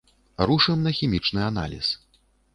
Рушым на хімічны аналіз.